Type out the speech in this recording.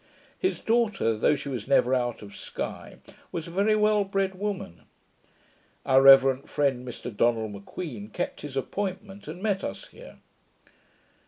His daughter, though she was never out of Sky, was a very well bred woman. Our reverend friend, Mr Donald M'Queen, kept his appointment, and met us here.